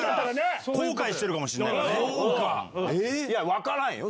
分からんよ